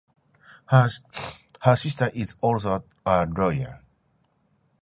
Her sister is also a lawyer.